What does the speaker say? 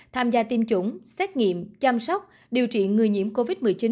tham gia tiêm chủng xét nghiệm chăm sóc điều trị người nhiễm covid một mươi chín